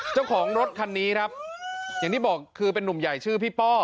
เจ้าของรถคันนี้ครับอย่างที่บอกคือเป็นนุ่มใหญ่ชื่อพี่ป้อ